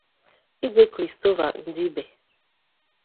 Igwe Christopher Ndibe.